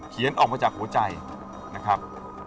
เขียนออกมาจากหัวใจนะครับ